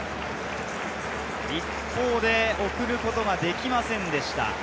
一方で送ることができませんでした。